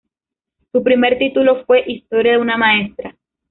Su primer título fue "Historia de una maestra".